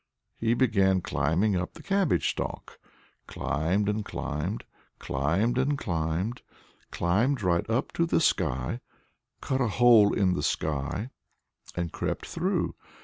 He began climbing up the cabbage stalk, climbed and climbed, climbed and climbed, climbed right up to the sky, cut a hole in the sky, and crept through.